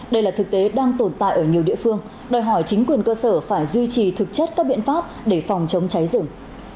đây là thực tế đang tồn tại ở nhiều địa phương đòi hỏi chính quyền cơ sở phải duy trì thực chất các biện pháp để phòng chống cháy rừng